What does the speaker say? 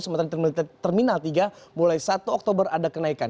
sementara di terminal tiga mulai satu oktober ada kenaikan